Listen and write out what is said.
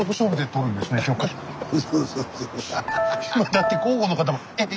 だって広報の方もえっ